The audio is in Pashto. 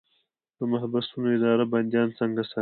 د محبسونو اداره بندیان څنګه ساتي؟